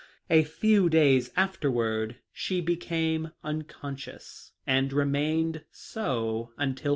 A few days afterward she became un conscious and remained so until.